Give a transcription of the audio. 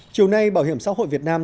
chiều nay bảo hiểm xã hội việt nam